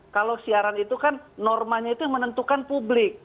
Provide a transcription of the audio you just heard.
kalau siaran itu kan normanya itu yang menentukan publik